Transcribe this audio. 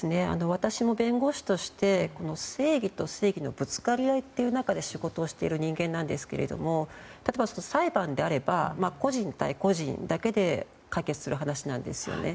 私も弁護士として正義と正義のぶつかり合いという中で仕事をしている人間なんですけど例えば裁判であれば個人対個人だけで解決する話なんですよね。